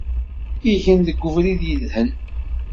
Igen deg ubrid yedhen.